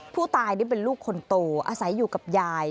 ผู้ตายนี่เป็นลูกคนโตอาศัยอยู่กับยาย